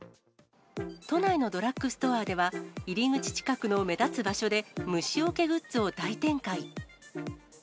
都内のドラッグストアでは、入り口近くの目立つ場所で、虫よけグッズを大展開。